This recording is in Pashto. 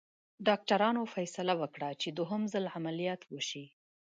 ډاکټرانو فیصله وکړه چې دوهم ځل عملیات وشي.